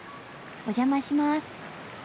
お邪魔します。